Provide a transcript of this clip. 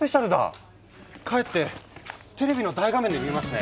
帰ってテレビの大画面で見ますね！